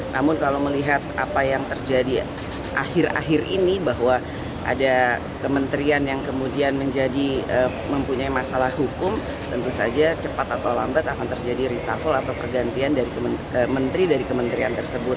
namun kalau melihat apa yang terjadi akhir akhir ini bahwa ada kementerian yang kemudian menjadi mempunyai masalah hukum tentu saja cepat atau lambat akan terjadi reshuffle atau pergantian dari menteri dari kementerian tersebut